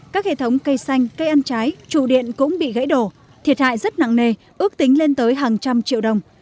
các hệ thống cây xanh cây ăn trái trụ điện cũng bị gãy đổ thiệt hại rất nặng nề ước tính lên tới hàng trăm triệu đồng